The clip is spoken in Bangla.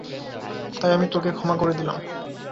তাই আমি তোকে ক্ষমা করে দিলাম।